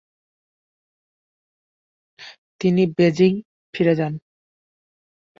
তিনি বেজিং ফিরে যান।